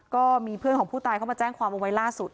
ก็มีเพื่อนของผู้ตายเข้ามาแจ้งความเอาไว้ล่าสุด